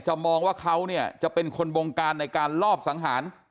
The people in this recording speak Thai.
มองว่าเขาเนี่ยจะเป็นคนบงการในการลอบสังหาร